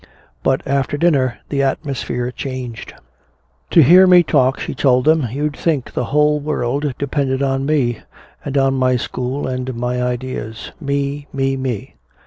But after dinner the atmosphere changed. "To hear me talk," she told them, "you'd think the whole world depended on me, and on my school and my ideas. Me, me, me!